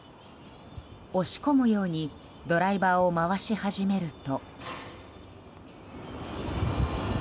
押し込むようにドライバーを回し始めると。